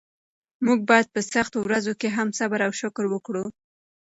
موږ باید په سختو ورځو کې هم صبر او شکر وکړو.